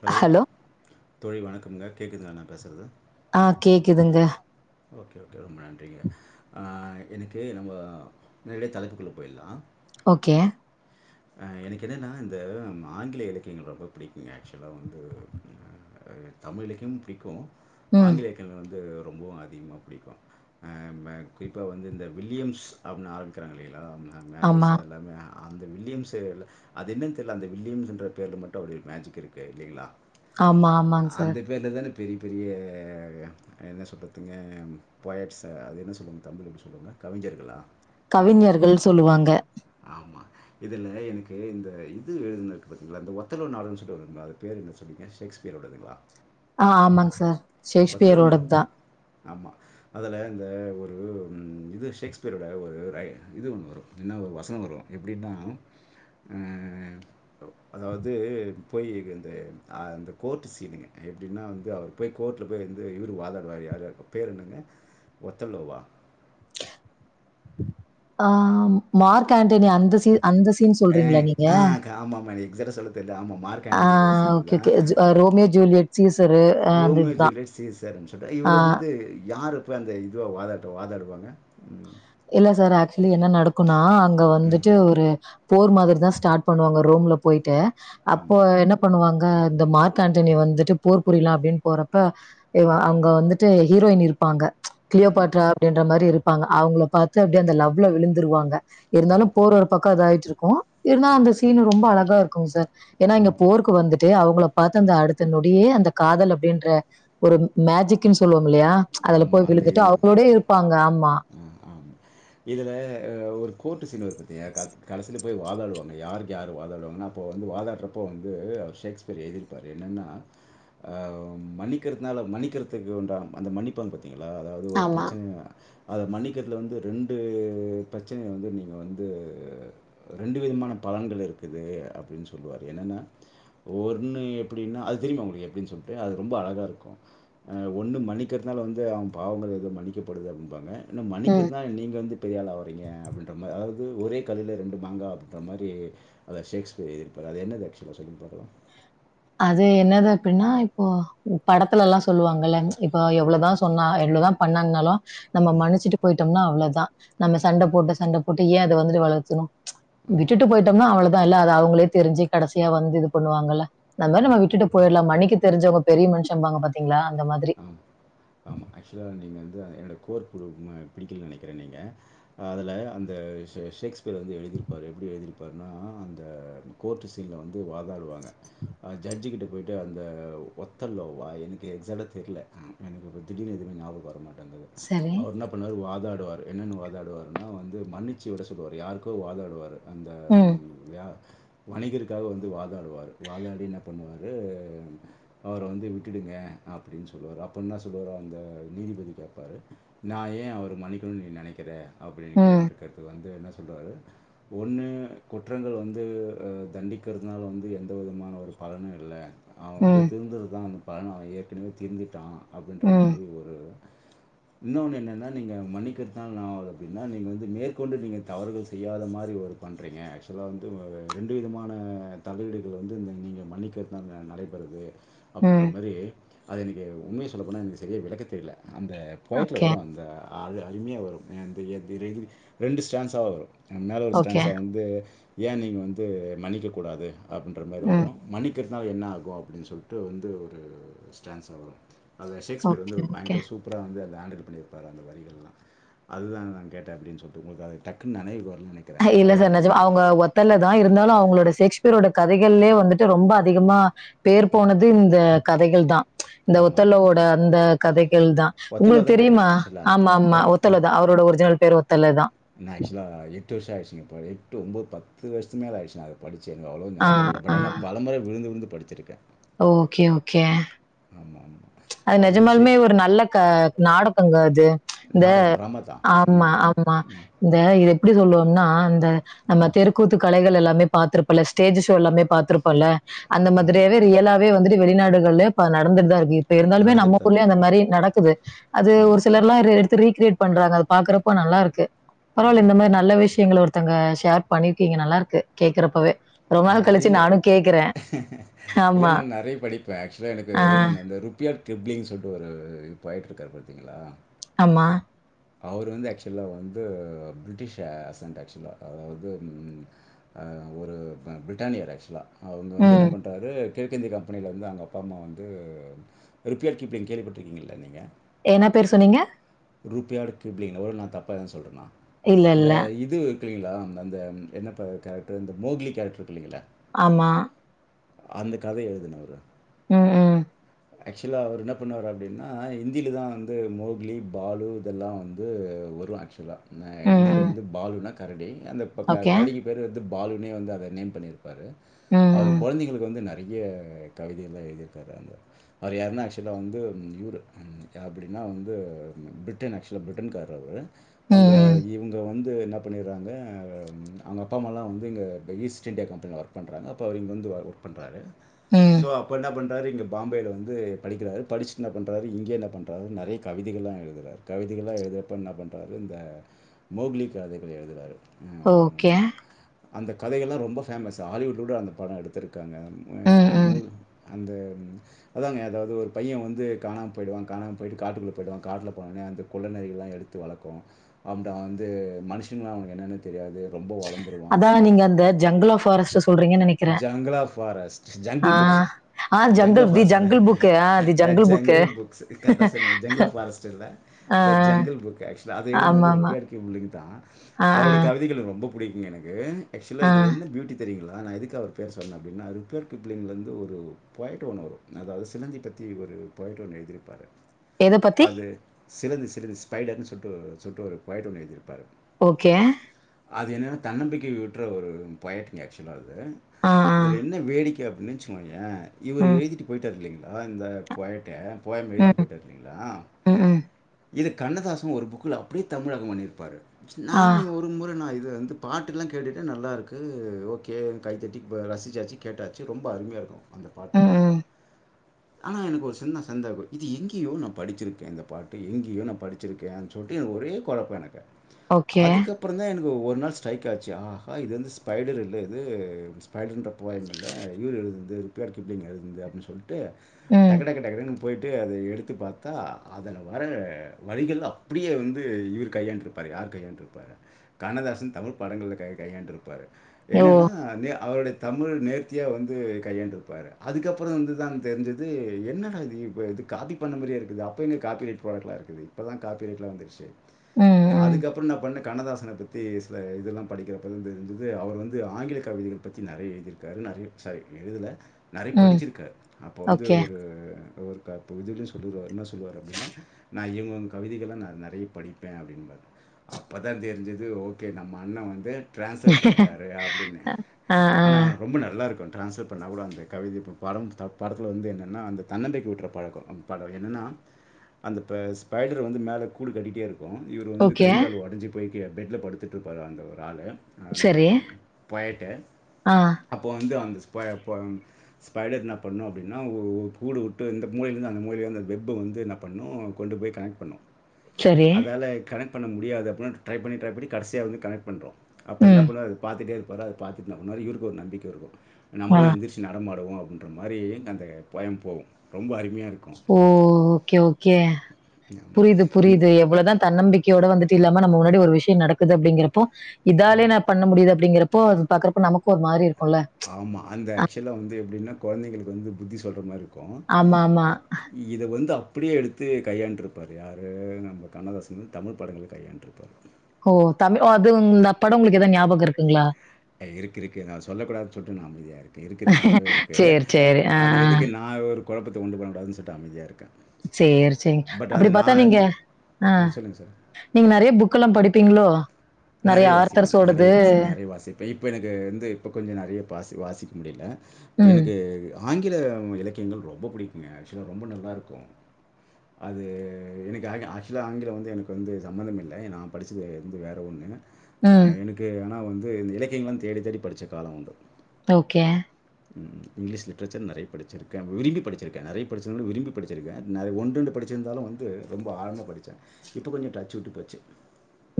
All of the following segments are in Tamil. ஹலோ தோழி வணக்க அங்க கேக்குதுங்களா நா பேசறது ஆ கேக்குதுங்க ஓகே ஓகே ரொம்ப நன்றிங்க அ எனக்கு நம்ப நேரடியா தலைப்புக்குள்ள போயட்லா ஓகே எனக்கு என்னன்னா இந்த ஆங்கில இலக்கியங்க ரொம்ப புடிக்குங்க ஆக்சுவலாக வந்து அ தமிழ் இலக்கியம் பிடிக்கு ம். ஆங்கிலேய இலக்கியல்ல வந்து ரொம்ப அதிகமா புடிக்கு அ ஆ குறிப்பாக வந்து இந்த வில்லியம்ஸ் அப்டின்னு ஆரம்பிக்றாங்கா இல்லிங்களா மேஜர் ஆமா. சார் எல்லாமே அந்த வில்லியம் சரி அது என்ன்ன தெரியல அந்த வில்லியம்ஸ் என்ற பேர்ல மட்டு அப்டி மேஜிக் இருக்கு இல்லைங்களா ஆமா ஆமாங் சார் அந்த பேரில் தானே பெரிய பெரிய என்ன சொல்கதுங்க போயட்ஸை அது என்ன சொல்லுவாங்க தமிழ் அப்டி சொல்லுவாங்க கவிஞர்களா கவிஞர்கள் சொல்லுவாங்க இதில எனக்கு இந்த இது எழுதுநது இருக்கக்குங்க பாத்திங்களா இந்த ஒத்தலோ நாடுன்னு சொல்லிட்டு வருதுங்களா அது பேர் என்ன சொன்னிங்க ஷேக்ஸ்பியரோடதுங்களா ஆ ஆமாங் சார் பத்துல ஒண்ணா? ஷேக்ஸ்பியரோடத்தா ஆமா அதுல இந்த ஒரு இது ஷேக்ஸ்பியரோட ஒரு இது ஒண்ணு வரும் இனா ஒரு வசனம் வரும் எப்படின்னா ம் அதாவது போய் இந்த அந்த கோர்ட் சீனுங்க எப்படின்னா வந்து அவரு போய் கோர்ட்டில போய் வந்து இவரு வாதாடுவாரரு யார் அவங்க பேர் என்னங்க ஒத்தல்லோவா ஆ மார்க் ஆண்டனி அந்த சீ அந்த சீன் சொல்றீங்களா நீங்க சரியா சொல்ல தெர் ஆமா மார்க் ஆ ஆண்டனியோட ஓகே, சீன்தா ஓகே. ஜ ரோமியோ ஜூலியட், சீசரு அ அந்த ரோமியோ இதுதான். ஜூலியட் சீசர் சொ ஆ. இவர் வந்து யாரு இப்போ அந்த இதுவாக வாதாட்ட வாதாடுவாங்க ம் இல்ல சார் ஆக்சுவலி என்ன நடக்கும்னா அங்க ம். வந்துட்டு ஒரு போர் மாதிரி தா ஸ்டார்ட் பண்ணுவாங்க ரோம்ல போயிட்டு அப்போ ஆமா. என்ன பண்ணுவாங் அ இந்த மார்க் ஆண்டனி வந்துட்டு போர் புரியலா அப்டின் போறப்ப இவ அங்க வந்துட் ட்டு ஹீரோயினி இருப்பாங்க ஆமா. கிளியோபாட்ரா அப்டின்ற மாரி இருக் இருப்பாங்க அவங்ல பாத்து அப்டியே அந்த லவ்ல விழுந்துருவாங்க இருந்தாலு கண்டிப்பா. போர் ஒரு பக்கொ அதாயி ற்றுக்கோ இருந்தா ஆமா, அந்த சீன் ரொம்ப அழ தா இருக்கு சார் ஏன்னா இங்க ஆமா. போருக்கு வந்துட்டு அவங்கள பாத்தந்த ம். அடுத்த நொடியே அந்த காதல் அப்டின்ற ஒரு மேஜிக்ன்னு சொல்லுவோ இல்லையா அதுல ஆமா. போய் அந்த விழுதுட்டு இது. அவங்களோடயே இருப்பாங்க ஆமா ஆ, ஆமா. இதுல ஒரு கோர்ட் சீன் வரு பாத்தியா க கடசில போய் வாதாடுவாங்க யாருக்கு யார் வாதாடு வாங்கனா அப்போ வந்து வாதாடுறப்போ வந்து அவர் ஷேக்ஸ்பியர் எதிர்ப்பாரு என்னன்னா ஆ மன்னிக்கறதுனால வ மன்னிக்கறதுக்கு உண்டான அந்த மன்னிப்பாங்க பாத் திங்ளா அதாவது ஒரு பிரச்சனயா அத மன்னிக்கறதுல வந்து ரெண்டு பிரச்சனய வந்து நீங்க வந்து ரெண்டு விதமான பலன்கள் இருக்குது அப்டின் சொல்லுவாரு என்னென்னா ஒன்னு எப்டின்னா அது தெரியுமா உங்களுக்கு எப்டின்னு சொல்ட்டு அது ரொம்ப அழகா இருக்கு அ ஒன்னு மன்னி க்கறனால வந்து அவ்ங் பாவங்கள் எதோ மன்னிக்கப்படுது அப்டிம்பாங்க இன்னு மன்னிக்கறத்னால நீங்க வந்து பெரியளா வறீங்க அப்டின்ற மா அதாவது ஒரே கல்லுல ரெண்டு மாங்கா அப்டின்ற மாரி அத ஷேக்ஸ்பியர் எதிர்பார் அது என்னது ஆக்சுலா சொல்லுங் பாக்கலா அது என்னது அப்டின்னா இப்போ படத்துலல்லா சொல்லுவாங்கல ச் இப்போ எவ்வளோதா சொன்னா எவ்வளோதா பண்ணானாலு நம்ம மன்னிச்சிட்டு போயிட்டோம்னா அவ்ளோ தா நம்ம சண்ட போட்டு சண்ட போட்டு ஏ வந்துட்டு வளத்தனு ச் ஆமா. விட்டுட்டு போயிட்டோம்னா அவ்ள தா இல்ல அத அவுங்ளே தெரிஞ்சி கடசியா வந்து இது பண்ணுவாங்கல்ல நம்வேற நம்ம ம். விட்டுட்டு போயிட்லா மணிக்க தெரிஞ்சவங்க பெரிய மனுஷம்பாங்க பாத்தீங்ளா ஆமாமா ஆமா ஆக்சுலா நீங்க வந்து என்னோட கோர் குழு ம பிடிக்கல நெனைக்கிற நீங்க அதல அந்த ஷே ஷேக்ஸ்பியர் வந்து எழுதிருப்பாரு எப்டி எழுதிருப்பாருனா அந்த கோர்ட் சீன்ல வந்து வாதாடுவாங்க அ ஜட்ஜ் கிட்ட போய்ட்டு அந்த ஒத்தல்லோ வா எனக்கு எக்ஸாட்டா தெர்ல ம் என்ன சொல்றது திடீர்னு எதுமே நியாபகோ வர மா டங்கது சரி. அவர் என்னா பண்ணாரு வாதா டுவாரு என்னென்னு வாதாடுவார்னா வந்து மன்னிச்சி விட சொல்லுவாரு யாருக்கோ வாதாடுவாரு அந்த ம் யா வணிகருக்காக வந்து வாதாடுவாரு வாதாடி என்ன பண்ணுவாரு அவர வந்து விட்டுடுங்க அப் டின் சொல்லுவாரு அப்ப என்னா சொல்லுவாரு அந்த நீதிபதி கேப்பாரு நா ஏ அவர மன்னிக்கனு நீ நெனைக்கிற அப்டின் ம், கேட்டு [unintelligible] வந்து என்ன சொல்றாரு ஒன்னு குற்றங்கள் வந்து அ தண்டிக்கிறத்னால வந்து எந்தவொரு விதமான ஒரு பலனு இல்ல அவ வந்து ம், திருந்தரத்தா [unintelligible] பலன அவ ஏத் இனிமே திருந்திட்டா அப்டின்ற ம், மாரி ஒரு இன்னொன்னு என்னனா நீங்க மன்னிக்கறத்னால [unintelligible] அப்டினா நீங்க வந்து மேற்கொண்டு நீங்க தவறுகள் செய்யாத மாரி ஒரு பண்றீங்க ஆக்ச்சுலா வந்து ம அ ரெண்டு விதமான தகடுகள வந்து நீங்க மன்னிக்கறத்னால நா நடைபெருது அப்பின்ற ம். மாரி எனக்கு உண்மய சொல்ல போனா எனக்கு செரியா விளக்க தெரில அந்த பொயட்ல ஓகே, வரு அந்த அது அருமியா வரு அந்த [unintelligible] ரெண்டு ஸ்ட்ரான்சாவா வரு மேல ஒரு ஓகே. ஸ்ட்ரான்ஸா வந்து ஏ நீங்க வந்து மன்னிக்க கூடாது அப்பின்ற மார் வரு ம். மன்னிக்கற் துனால என்ன ஆகு அப்பிடின் சொல்ட்டு வந்து ஒரு ஸ்ட்ரான்ஸா வரு அத ஷேக்ஸ்பியர் வந்து ஓகே, ஒரு ஓகே. பயங்கர சூப்பரா வந்து அத ஆன்டில் பண்ணிருப்பார் அந்த வரிகளல்லா அதுதா நா கேட்டே அப்டின் சொல்ட்டு உங்குளுக் அது டக்குன் நெனைவுக் வரு இல்ல சார் நெஜமா அவுங்க ஒத்தெல்லோதா இருந்தாலு அவுங்களோட ஷேக்ஸ் பியரோட கதைகள்ளே வந்துட்டு ரொம்ப அதிகமா பேர் போனது இந்த கதைகள் தா ச்ச் இந்த ஆமாம் ஒத்தெல்லோவோட அந்த கதை கள்தா ஒத்தலோ உங்குளுக் தானே தெரியுமா ஆமா ஆமா ஒத்தெல்லோதா அவரோட ஒரிஜினல் பேர் ஒ நா ஆக்சுலா எட்டு வர்ஷோயாட்ச் [unintelligible] எட்டு உம்போது பத்து வஷ்த்து மேல ஆய்ச்சு அத படிச் சி எனக் அவ்ளோ ஆ, ஞாபக இல்ல பட் ஆனா பலமுறை விழுந்து விழுந்து படிச்சிருக்க ஓக்கே ஓக்கே ஆமாம் ஆமாம் அது அவ்வளோ நெஜமாலுமே ஷேக் ஒரு நல்ல க நாட அங்க அது இந்த நாடகம் ட்ராமா தான் ஆம்மா ம் ஆம்மா ம் இந்த இது எப்டி சொல்லுவோம்னா அந்த நம்ம தெருக்கூத்து கலைகள் எல்லாமே பாத்திருப்பல்ல ஸ்டேஜ் ஷோ எல்லாமே பாத்திருப்பல்ல அந்த ஆமாம் மாதிரியாவே ரியலா வே வந்துட்டு வெளிநாடுகள்ளயோ இப்ப நடந்துட்டுதா இரு இப்ப இருந்தாலுமே நம்ம நடந்துட்டு தான் ஊர்லயே இருக்கு அந்த மாரி நடக்குது அது ஒரு ஆமாம் சிலர்லா ரி எடுத் ரீ க்ரியேட் பண்றாங்க அத பாக்கறப்போ நல்லாருக்கு பரவால்ல இந்த ஆமாம் மாரி நல்ல விஷயங்கள ஒருத் தங்க ஷேர் பண்ணிருக்கீங்க நல்லாருக்கு கேக்குறப்பவே ஆ இல்லே இல்ல ஆமா. நா நெறைய படிப்பே ஆக்ஷுவலா எனக்கு ஆ, அந்த ருபியாட் ட்ரிப்ளிங் சொல்ட்டு ஒரு இது போய்ட்ருக்காரு பாத்திங்ளா ஆமா அவுரு வந்து ஆக்சுவலா வந்து பிரிட்டிஷ் அசன்ட் ஆக்சுவலா அதாவது ஒரு பிரிட்டானியர் ஆக்சுவலா அவங்க வந்து இன்னா ம். பண்றாரு கிழக்கிந்திய கம்பெனிலேர்ந்து அவங்க அப்பா அம்மா வந்து ரிப்ளெட் கீப்பிங் கேள்விப்பட்ருக்கீங்கல்ல நீங்க என்னா பேர் சொன்னீங்க ரூப்யாட் க்ரீப்ளிங் ஒருவேள நா தப்பா எதனா சொல்றனா இல்ல, இந்த இல்ல. இது க்கீங்ளா அந் அந்த என்ன ப கேரக்ட்ரு இந்த [unintelligible] கேரக்ட்ரு இருக்குல்லீங்கல ஆமா அந்த கத எழுதுனவரு ம் ம் ஆக்ஷுலா அவர் என்னா பண்ணாரு அப்டின்னா இந்திலதா வந்து மோக்ளி பாலு இதெல்லா வந்து வரு ஆக்ஷுலா ந ம், இந்தில ம். வந்து பாலுனா கரடி அந்த ப க ஓகே. கரடிக்கு பேர் வந்து பாலுனே வந்து அத நேம் பண்ணிரு பாரு ம், அவர் ம். கொழந்தைங்களுக்கு வந்து ந றைய கவிதையெல்லா எழுதியிருக்காரு அந்த அவர் யாருன்னா ஆக்ஷுலா வந்து இவ்ரு ம் யா அப்டின்னா வந்து பிரிட்டன் ஆக்சுவலா பிரிட்டன் காரு அவுரு ம், அவுங்க ம், இவுங்க வந்து வந்து என்ன பண்ணிறாங்க அ ம் அவுங்க அப்பா அம்மால்லா வந்து இங்க ஈஸ்ட்டு இண்டியா கம்பெனில ஒர்க் பண்றாங்க அப்போ அவர் இங்கே வந்து ஒ ஒர்க் பண்றாரு ம். சோ அப்ப என்ன பண் றாரு இங்க பாம்பேல வந்து படிக்குறாரு படிச் இன்னா பண்றாரு இங்கே என்ன பண்றாரு நெறய் கவிதைகள்லா எழு துறார் கவிதைகெல்லா எழுதுறப்ப இன்னா பண்றாரு இந்த மோக்லி கதைகள் எழுதுறாரு ஓக்கே அந்த கதகெல்லா ரொம்ப ஃபேமஸு ஹாலிவுட்டு கூட அந்த படோ எடுத்துருக் காங்க அ ம், ம். மோக் அந்த அதாங்க அதாவ்து ஒரு பைய வந்து காணாம் போய்டுவா காணாம் போய்ட்டு காட்டுக்குள்ள போய்டுவா காட்ல உடனே அந்த குள்ள நரிகள்ல்லா எடுத்து வளக்கு அ [unintelligible] வந்து மனுஷன்னா அவ்னுக்கு என்னனு தெரியாது ரொம்ப வளந் அதா நீங்க அந்த ஜங்கில் ஆஃப் ஃபாரஸ்ட சொல்றீங் jungle of forest ah, jungle book ம். ஆ jungle of jungle the forest the jungle book ah a the the jungle book. Jungle books கரெக்டா சொன்னீங்க ஜங்கள் ஆஃப் ஃபாரெஸ்ட் இல்ல ஆ, த ஜங்கிள் புக் ஆக்சுலா அத எழுதுன்து வந்து ஆமாமா. ருக்கியாட் க்யுலின் தா ஆ, ஆ, அவுர்ட்ய கவிதைகள் எனக்கு ரொம்ப புடிக்குங் எனக்கு ஆக்சுலா ஆ. இ [unintelligible] என்ன ப்யூட்டி தெரியுங்ளா அ நா எதுக் க்கா ஒரு பேர் சொன்ன அப்டினா ரிப்பேர் பிபிளின்லந்து ஒரு பொயட் ஒன்னு வரு அதாவது சிலந்தி பத்தி ஒரு பொயட் ஒன்னு எழுதிருப்பாரு எத பத்தி சிலந்தி சிலந்தி ஸ்பைடர்ன்னு சொல்லுட்டு ஒரு சொல்ட்டு ஒரு பொயட் ஒன்னு எழுதிருப்பாரு ஓகே அது என்னென்னா தன்னம்பிக்கை வூட்ற ஒரு பொயட்டுங்க ஆக்சுவலா அது ஆ, ஆ. இதுல என்ன வேடிக் க அப்டினு வெச்சுக்கோயே இவர் ம், எழுதிட்டு போய்ட்டார் இல்லைங் களா இந்த பொயட்ட போயம் எழுதிட்டு ம், போய்ட்டாரு இல்லைங்களா ம், ம். இது கண்ணதாசன் ஒரு புக்ல அப்டியே தமிழாக்கம் பண்ணிருப்பாரு ஆ. நானே ஒரு முற நா இது வந்து பாட்டுக்குல்லா கேட்டுட்டே நல்லா இருக்கு ஓகே கைத்தட்டி இப்ப ரசிச்சாச்சு கேட்டாச்சு ரொம்ப அருமையா இருக்கு அந்த பாட்டு ம். வந்து ம், ஆனா எனக்கு ஒரு சின்ன சந்தேகோ இது எங்கயோ நா படிச்சிருக்கே இந்த பாட்டு எங்கயோ நா படிச்சிருக்கேனு சொல்ட்டு ஒரே கொழப்பொ எனக்கு ஓகே. அதுக்கப்றோ தா எனக் கு ஒரு நாள் ஸ்ட்ரைக் ஆச்சு ஆஹா இது வந்து ஸ்பைடர் இல்ல இது இது ஸ்பைடர்ன்ற போயம் இல்ல இவுரு இது ருட்யார்ட் கிப்ளிங் எழுதுனது அப்டின் சொல்லி ட்டு ம். டக்கு டக்கு டக்குன்னு போய்ட்டு அத எடுத்து பாத்தா அதுல வர வரிகள் அப்டியே வந்து இவர் கையாண்டிருப்பாரு யார் கையாண்டுருப்பார் கண்ணதாசன் தமிழ் படங்கள்ல கை கையாண்ட்ருப்பாரு ஓ! என்னன்னா அதே அ அவருடைய தமிழ் நேர்த்தியா வந்து கையாண்டிருப்பாரு அதுக்கப்றோ வந்து தா தெரிஞ்சிது என்னடா இது இப்ப இது காப்பி பண்ண மாரியே இருக்குது அப்போ எங்க காப்பிரைட் ப்ராடக்லா இருக்குது இப்போ தா காப்பிரைட்லா வந்துச்சு ம், ம், அதுக்கப் அப்புறோ என்னா பண்னே கண்ணதாசன பத்தி சில இதெல்லா படிக்கிற பதா தெரிஞ்சது அவர் வந்து ஆங்கில கவிதைகள் பத்தி நெறைய எழுதிருக்காரு நெறைய சாரி எழுதல நறிய ம். படிச்சிருக்கார் அப்போ வந்து ஓகே. ஒரு ஒரு ப அப்போ இதுலயே சொல்லிட்ராரு என்னச் சொல்லுவார் அப்டின்னா நா இவங்க கவிதைகள்லா நா நறிய படிப்பே அப்டின்பாரு அப்போதா தெரிஞ்சது ஓகே நம்ம அண்ன வந்து ட்ரான்ஸ்லேட் பண்ணிட்டாரு அப்டின்னு ஆ, ஆ. ஆனா ரொம்ப நல் லாருக்கு ட்ரான்ஸ்லேட் பண்ணா கூட அந்த கவிதை இப்ப படம் ஸ்டா படத்துல வந்து என்னென்னா அந்த தன்னம்பிக்கை வூட்ற பழக்கோ படோ என்னன்னா அந்த ப ஸ்பைடர் வந்து மேல கூடு கட்டிட்டே இருக் கு இவர் வந்து ஓகே. கை கால் ஒடஞ்சு போயி டு பெட்ல படுத்துட்ருப்பாரு அந்த ஒரு ஆளு அந்த பொயட்டே அ ந்து அந்த ஸ்ய ப ஸ்பைடர் என்ன பண்ணு அப்டின்னா உ உ கூடு உட்டு இந்த மூலைலிந்து அந்த மூலைலி வந்து அந்த வெப்ப வந்து என்னா பண்ணு கொண்டு போய் கனெக்ட் பண்ணு சரி. அதால கனெட் பண்ண முடியாது அப்னா ட் ட்ரை பண்ணி ட்ரை பண்ணி கடசியா வந்து கனெக்ட் பண்ரு அப்ப என்ன ம். பண்ணுவ அது பாத்துட்டே ப்பற அத பா இந்த மாரி இவுருக்கு ஒரு நம்பிக்க இருக்கு ஆ. நம்பளு எந்துருச் நடமா டுவோ அப்டின்ற மாரி அந்த பயம் போவு ரொம்ப அரு ஓ ஓகே ஓகே ஆமா. புரிது இந் புரிது எவ்வளதா தன்னம்பிக்கையோட வந்து இல்லாம நம்ப முன்னாடி ஒரு விஷ்ய நடக்குது அப்டிங்கிறப்போ இதாலே நா பண்ண முடிது அப்டிங்கிற ப்போ அது பாக்கறப்ப நமக்கு ஒரு மாரி இரு ஆமா அந்த ஏக்சுலா வந்து எப்டின்னா கொழந்தைங்களுக்கு வந்து புத்தி சொல்ற மாரு க்கு ஆமா, ஆமா. இ இத வந்து அ இப்டியே எடுத்து கையாண்ட்ருப்பாரு யாரு நம்ப கண்ணதாசனு தமிழ் படங்கள்ல கையாண்டருப்பாரு ஓ தமிழ் ஒ அது [unintelligible] படோ உங்குளுக்கு எதா ஞாபக இருக்குங்ளா இருக்குருக்கு நா அத சொல்லக்கூடாது சொல்ட்டு நா அமதியா இருக் இருக்குருக்கு நல்லாவேருக்கு சரி, சரி. ஆ, அது ஆ. எதுக்கு நா ஒரு கொழபத்த உண்டு பண்ண கூடாதுன் சொல்ட்டு அமைதியாரு சேரி சேரிங் அப்டி பாத்தா நீங்க வந்து ஆ ம் சொல்லுங்க சார். நீங் நறைய புக்கல்லா படிப்பீங்ளோ ஆ நறைய வாசிப்பே நறைய வாசி நறைய வாசி இப்ப எனக்கு வந்து இப்போ கொஞ்ச நறிய பாசி வாசிக் முடில ம், எனுக்கு அ ஆங்கில வ் இலக்கியங்கள் ரொம்ப புடிக்குங்க ஏக்சுலா ரொம்ப நல்லாருக்கு அது எனக்கு ஆங்கு ஆக்சுலா ஆங்கிலோ வந்து எனக்கு வந்து சம்மந்தமில்ல நா படிச்சது வந்து வே அ ஒன்னு அ ம். எனுக்கு ஆனா வ கு இந்த இலக்கியங்கலாந் தேடி தேடி படிச்ச காலோ உண்டு ஓகே ம் இங்லீஷ் லிட்ரேச்சர் நறைய படிச்சிருக்கே விரும்பி படிச்சிருக்கே நறைய படிச்சேன்துவிட விரும்பி படிச்சிருக்கே ந ஒன் ரெண்டு படிச்சிருந்தாலு வந்து ரொம்ப ஆழமா படிச்சே இப்ப கொஞ்சோ டச்சு விட்டு போச்சு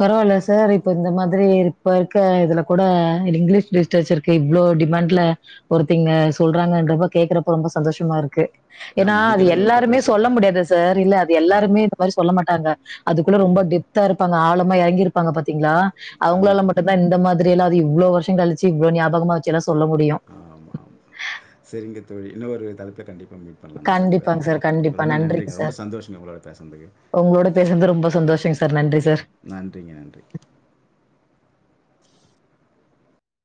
பரவால்ல சார் இப்ப இந்த மாதிரி இப்பருக்க இதுல கூட அ லிங்லீஷ் லிஸ்டேச்சர்க்கு இவ்ளோ டிமாண் இல ஒருத்திங்க சொல்றாங்கன்றப்ப கேக்றப்போ ரொம்ப சந்தோஷமாருக்கு ஏனா நான் அது மணிக்கிழங்குகள்ட்ட எல்லாருமே பேசுவேன். சொல்ல முடியாது சார் இல்ல அது எல்லாருமே ந்த மாரி சொல்ல மாட்டாங்க அதுக்குள்ள ரொம்ப டெப்த்தாருப்பா ஆளமா எறங்கிருப்பாங்க பாத்தீங்களா அவங்களாலா ஆமாமா. மட்டுந்தா இந்த மாதிரில்லா இவ்ளோ வருஷங்களிச்சி இவ்ளோ ஞாபகமா வச்சி ஏனாஸ் ஆமா ஆமா சரிங்க தோழி இன்னு ஒரு தலைப்ப கண்டிப் ப்போ மீட் பண்லா நம்ம ரெண்டு பேரு கண்டிப்பாங்க சார். கண்டிப்பா. ரொம்ப நன்றிங்க ரொம்ப சார். சந்தோஷங்க உங்களோட பேசுன்துக்கு உங்களோட பேசுனது ரொம்ப சந்தோஷங்க சார். நன்றி சார். நன்றிங்க நன்றி